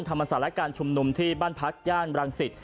ธรรมศาลการย์ชุมนุมบ้านพรรคย่านรังสิทธิ์